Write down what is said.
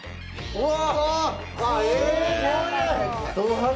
うわ！